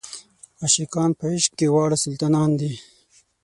عاشقان په عشق کې واړه سلطانان دي.